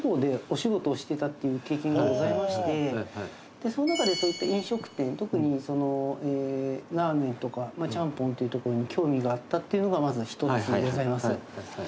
でその中でそういった飲食店特にラーメンとかちゃんぽんっていうところに興味があったっていうのがまず１つございます。